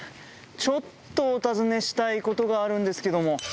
ちょっとお尋ねしたいことがあるんですけども。